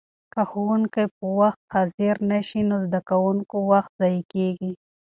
که ښوونکي په وخت حاضر نه شي نو د زده کوونکو وخت ضایع کېږي.